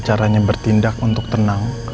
caranya bertindak untuk tenang